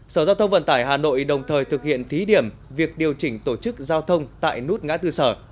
sở giao thông vận tải hà nội đồng thời thực hiện thí điểm việc điều chỉnh tổ chức giao thông tại nút ngã tư sở